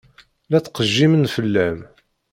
La ttqejjimen fell-am.